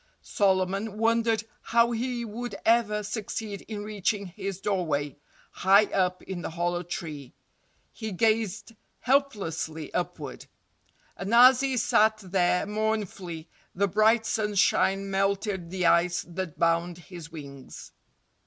Solomon wondered how he would ever succeed in reaching his doorway, high up in the hollow tree. He gazed helplessly upward. And as he sat there mournfully the bright sunshine melted the ice that bound his wings.